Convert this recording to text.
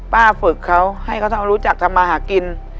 ป้าฝึกเค้าให้เค้ารู้จักทำมาหากิน